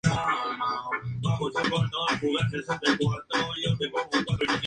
El cráter lunar Gould lleva su nombre.